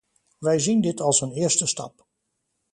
Wij zien dit als een eerste stap.